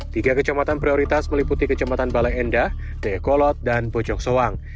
tiga kecamatan prioritas meliputi kecamatan baleendah dekolot dan bojongsoang